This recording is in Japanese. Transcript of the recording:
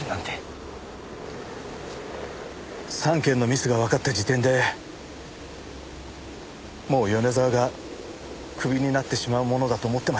３件のミスがわかった時点でもう米沢がクビになってしまうものだと思ってましたから。